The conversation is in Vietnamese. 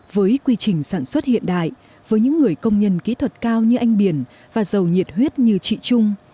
với quy trình sản xuất hiện đại với những người công nhân kỹ thuật cao như anh biển và giàu nhiệt huyết như chị trung